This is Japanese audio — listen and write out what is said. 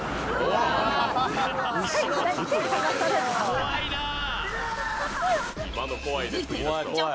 怖いなあ。